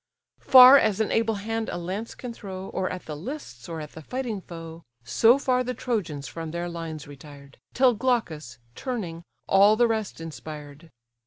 Far as an able hand a lance can throw, Or at the lists, or at the fighting foe; So far the Trojans from their lines retired; Till Glaucus, turning, all the rest inspired.